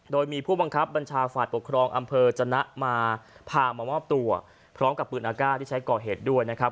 โดยมีผู้บังคับบัญชาฝ่ายปกครองอำเภอจนะมาพามามอบตัวพร้อมกับปืนอากาศที่ใช้ก่อเหตุด้วยนะครับ